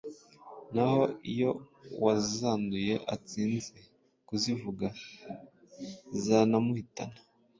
naho iyo uwazanduye atinze kuzivuza zanamuhitana.